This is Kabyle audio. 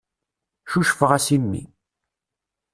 Cucfeɣ-as i mmi.